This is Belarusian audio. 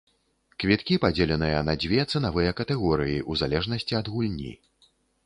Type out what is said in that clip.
Квіткі падзеленыя на дзве цэнавыя катэгорыі ў залежнасці ад гульні.